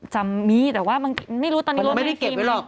จำมีแต่ว่าไม่รู้ตอนนี้รถเมนี่เก็บไว้หรอก